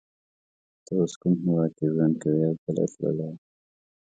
ته اوس کوم هیواد کی ژوند کوی او کله تللی یی